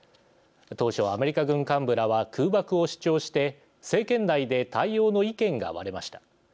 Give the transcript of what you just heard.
当初アメリカ軍幹部らは空爆を主張して政権内で対応の意見が割れました。